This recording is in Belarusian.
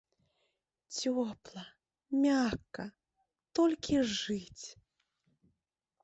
Цёпла, мякка, толькі жыць!